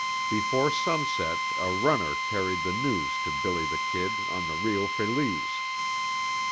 Before sunset a runner carried the news to "Billy the Kid," on the Rio Feliz.